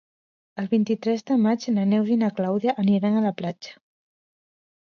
El vint-i-tres de maig na Neus i na Clàudia aniran a la platja.